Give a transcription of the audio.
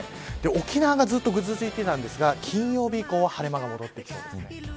沖縄がずっとぐずついていたんですが金曜日以降は晴れ間が戻ってきそうです。